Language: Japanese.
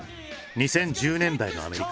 ２０１０年代のアメリカ。